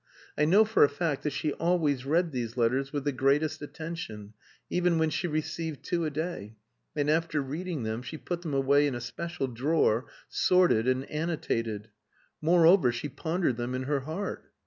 I know for a fact that she always read these letters with the greatest attention, even when she received two a day, and after reading them she put them away in a special drawer, sorted and annotated; moreover, she pondered them in her heart.